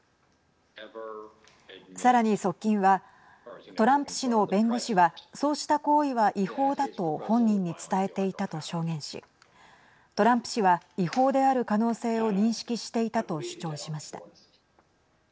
さらに側近はトランプ氏の弁護士はそうした行為は違法だと本人に伝えていたと証言しトランプ氏は違法である可能性を認識していたと主張しました。